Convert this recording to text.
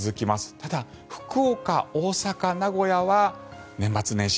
ただ福岡、大阪、名古屋は年末年始